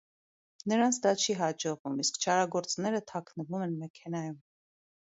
Նրանց դա չի հաջողվում, իսկ չարագործները թաքնվում են մեքենայում։